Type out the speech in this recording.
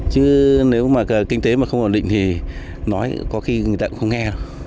chứ nếu mà kinh tế mà không ổn định thì nói có khi người ta cũng không nghe